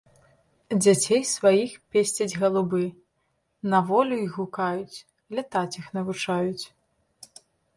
Дзяцей сваіх песцяць галубы, на волю іх гукаюць, лятаць іх навучаюць.